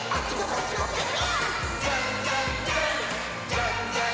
「じゃんじゃん！